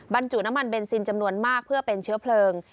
บรรจุน้ำมันเบนซินจำนวนมากเพื่อเป็นเชื้อเพลิง